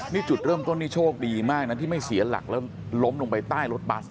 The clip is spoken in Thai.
นี่จุดเริ่มต้นนี่โชคดีมากนะที่ไม่เสียหลักแล้วล้มลงไปใต้รถบัส